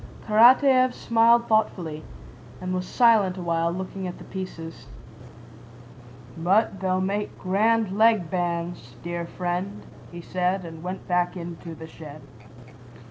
Karatáev smiled thoughtfully and was silent awhile looking at the pieces. "But they'll make grand leg bands, dear friend," he said, and went back into the shed.